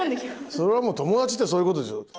それはもう友達ってそういうことでしょ！